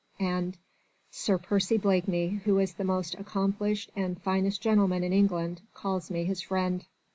and Sir Percy Blakeney, who is the most accomplished and finest gentleman in England, calls me his friend."